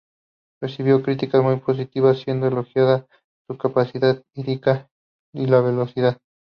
Recibió críticas muy positivas, siendo elogiada su capacidad lírica y la velocidad.